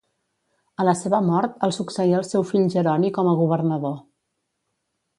A la seva mort el succeí el seu fill Jeroni com a governador.